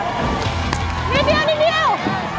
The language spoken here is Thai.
นิดเดียว